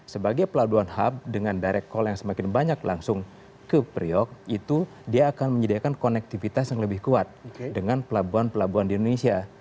sebagai pelabuhan hub dengan direct call yang semakin banyak langsung ke priok itu dia akan menyediakan konektivitas yang lebih kuat dengan pelabuhan pelabuhan di indonesia